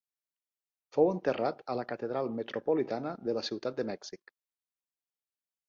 Fou enterrat a la Catedral Metropolitana de la ciutat de Mèxic.